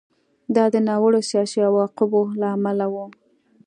دا د ناوړه سیاسي عواقبو له امله و